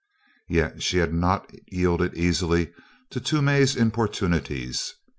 Yet she had not yielded easily to Toomey's importunities.